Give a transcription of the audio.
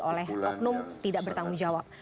oleh oknum tidak bertanggung jawab